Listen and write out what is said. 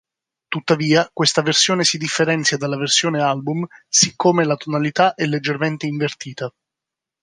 Tuttavia, questa versione si differenzia dalla versione album siccome la tonalità è leggermente invertita.